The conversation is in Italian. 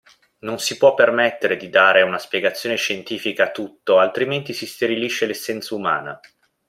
Non si può permettere di dare una spiegazione scientifica a tutto altrimenti si sterilisce l'essenza umana.